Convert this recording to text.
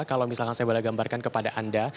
kalau misalkan saya boleh gambarkan kepada anda